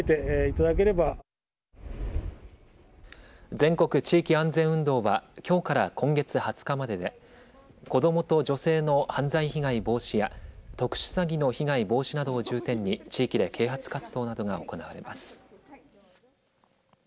全国地域安全運動はきょうから今月２０日までで子どもと女性の犯罪被害防止や特殊詐欺の被害防止などを重点に地域で啓発活動などが行われます。